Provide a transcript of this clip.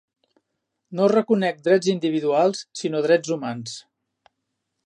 No reconec drets individuals sinó drets humans.